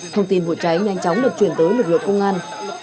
thông tin vụ cháy nhanh chóng được chuyển tới lực lượng công an